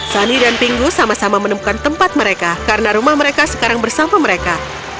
sani dan pinggu sama sama menemukan tempat mereka karena rumah mereka sekarang bersama mereka